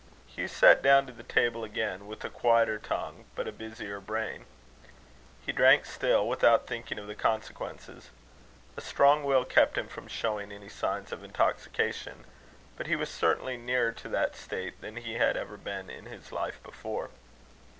Hugh sat down to the table again, with a quieter tongue, but a busier brain. He drank still, without thinking of the consequences. A strong will kept him from showing any signs of intoxication, but he was certainly nearer to that state than he had ever been in his life before.